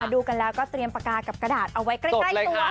ดูกันแล้วก็เตรียมปากกากับกระดาษเอาไว้ใกล้ตัว